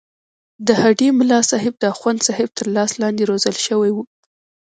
د هډې ملاصاحب د اخوندصاحب تر لاس لاندې روزل شوی وو.